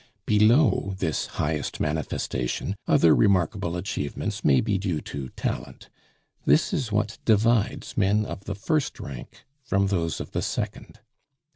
Below this highest manifestation other remarkable achievements may be due to talent. This is what divides men of the first rank from those of the second.